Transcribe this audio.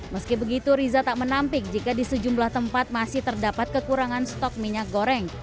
meski begitu riza tak menampik jika di sejumlah tempat masih terdapat kekurangan stok minyak goreng